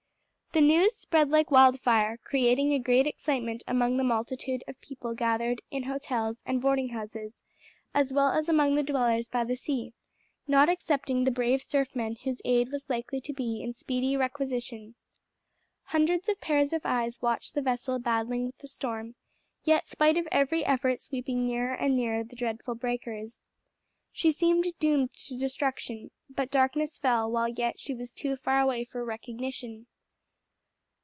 The news spread like wildfire, creating a great excitement among the multitude of people gathered in the hotels and boarding houses, as well as among the dwellers by the sea, not excepting the brave surfmen whose aid was likely to be in speedy requisition. Hundreds of pairs of eyes watched the vessel battling with the storm, yet spite of every effort sweeping nearer and nearer the dreadful breakers. She seemed doomed to destruction, but darkness fell while yet she was too far away for recognition.